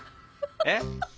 えっ？